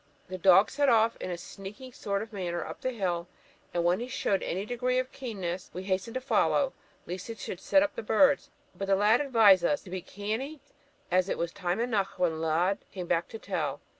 The dog set off in a sneaking sort of manner up the hill, and, when he showed any degree of keenness, we hastened to follow, lest he should set up the birds; but the lad advised us 'to be canny, as it was time eneuch when Lud came back to tell.'